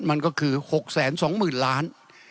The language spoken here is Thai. มันก็คือ๖๒๐๐๐ล้าน